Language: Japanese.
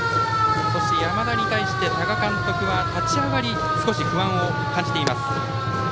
山田にして多賀監督は立ち上がりに少し不安を感じています。